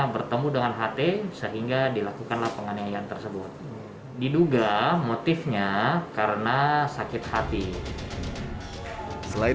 bertemu dengan ht sehingga dilakukanlah penganiayaan tersebut diduga motifnya karena sakit hati selain